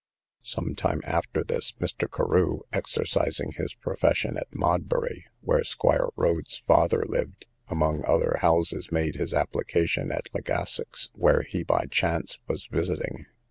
Some time after this, Mr. Carew, exercising his profession at Modbury (where squire Rhodes's father lived), among other houses made his application to Legassick's, where he by chance was visiting.